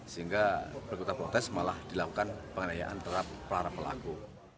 sehingga berkuta protes malah dilakukan penganiayaan terhadap para pelaku